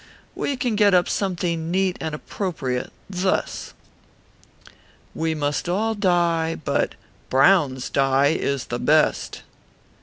We can get up something neat and appropriate, thus :_~ 4. WE MUST ALL DIE; BUT BROWN S DYE IS THE BEST.